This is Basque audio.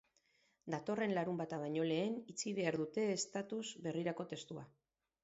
Datorren larunbata baino lehen itxi behar dute estatus berrirako testua.